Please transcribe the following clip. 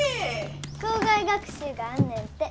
校外学習があんねんて。